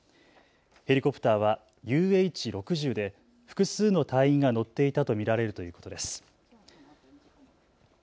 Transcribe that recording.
ヘリコプターはＵＨ６０で複数の隊員が乗っていたと見られるということです。